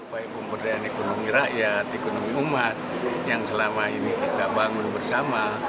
baik pemberdayaan ekonomi rakyat ekonomi umat yang selama ini kita bangun bersama